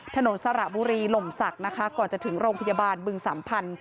สระบุรีหล่มศักดิ์นะคะก่อนจะถึงโรงพยาบาลบึงสามพันธ